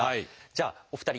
じゃあお二人